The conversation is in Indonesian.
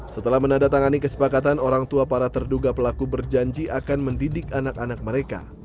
setelah menandatangani kesepakatan orang tua para terduga pelaku berjanji akan mendidik anak anak mereka